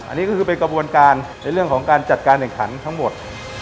อันนี้ก็คือเป็นกระบวนการในเรื่องของการจัดการแข่งขันทั้งหมด